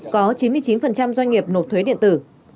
có chín mươi chín doanh nghiệp nộp thuế điện tử